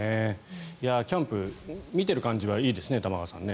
キャンプ、見てる感じはいいですね、玉川さん。